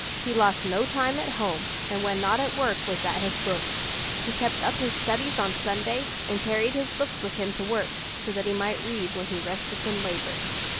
He lost no time at home, and when not at work was at his books. He kept up his studies on Sunday, and carried his books with him to work, so that he might read when he rested from labor."